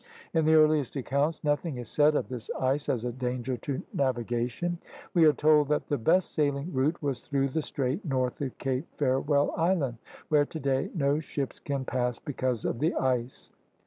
In the earliest accounts nothing is said of this ice as a danger to navigation. We are told that the best sailing route was through the strait north of Cape Farewell Island, where today no ships can pass because of the ice.